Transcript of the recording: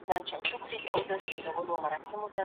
ایا په ماشومانو کي د شیدو څښلو عادت پیدا کول ښه دي؟